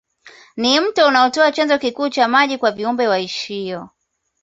Ni mto unaotoa chanzo kikuu cha maji kwa viumbe waishio